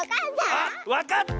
あっわかった！